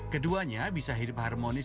keduanya bisa hidup harmonis